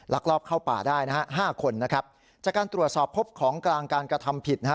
ลอบเข้าป่าได้นะฮะห้าคนนะครับจากการตรวจสอบพบของกลางการกระทำผิดนะฮะ